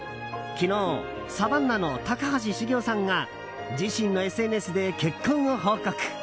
昨日、サバンナの高橋茂雄さんが自身のＳＮＳで結婚を報告。